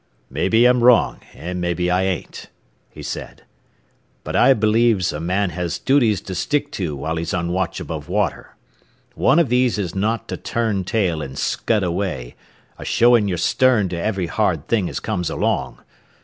"Mebbe I'm wrong, an' mebbe I ain't," he said. "But I believes a man has duties to stick to while he's on watch above water. One of these is not to turn tail and scud away, a showin' your stern to every hard thing as comes along.